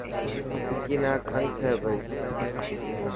وڪي نا کنگ ٿي پئي .